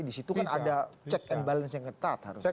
di situ kan ada check and balance yang ketat harus